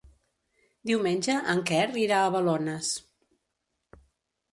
Diumenge en Quer irà a Balones.